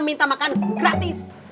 minta makan gratis